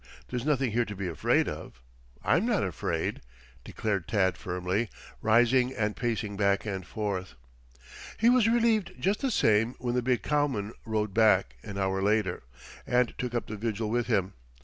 There's nothing here to be afraid of. I'm not afraid," declared Tad firmly, rising and pacing back and forth. He was relieved, just the same, when the big cowman rode back, an hour later, and took up the vigil with him.